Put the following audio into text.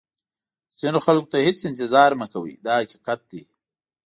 ځینو خلکو ته هېڅ انتظار مه کوئ دا حقیقت دی.